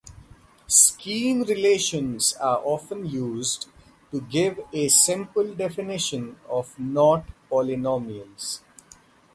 Skein relations are often used to give a simple definition of knot polynomials.